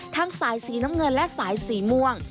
สายสีน้ำเงินและสายสีม่วง